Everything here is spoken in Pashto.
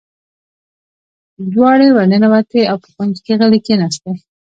دواړې ور ننوتې او په کونج کې غلې کېناستې.